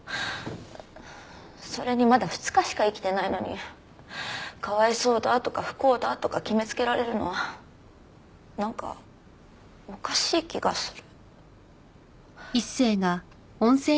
それにまだ２日しか生きてないのにかわいそうだとか不幸だとか決めつけられるのはなんかおかしい気がする。